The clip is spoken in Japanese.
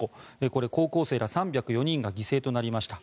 これ、高校生ら３０４人が犠牲となりました。